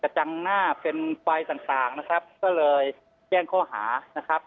จังหน้าเป็นไฟต่างต่างนะครับก็เลยแจ้งข้อหานะครับ